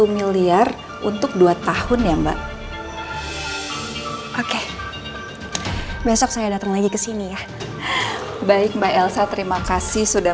miliar untuk dua tahun ya mbak oke besok saya datang lagi kesini ya baik mbak elsa terima kasih sudah